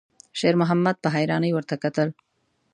شېرمحمد په حيرانۍ ورته کتل.